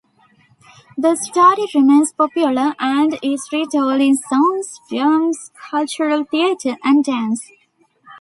The story remains popular and is retold in songs, films, cultural theatre and dance.